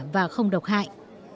và không độc hại